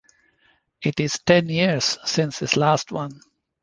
It is ten years since his last one.